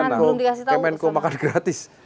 belum dikasih tau kemenko makan gratis